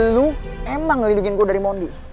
lo emang ngelindungin gue dari mondi